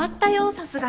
さすがに。